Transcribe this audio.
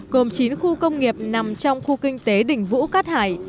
gồm chín khu công nghiệp nằm trong khu kinh tế đỉnh vũ cát hải